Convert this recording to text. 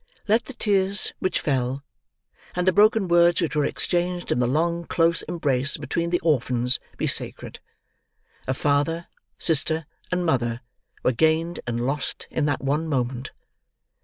Let the tears which fell, and the broken words which were exchanged in the long close embrace between the orphans, be sacred. A father, sister, and mother, were gained, and lost, in that one moment.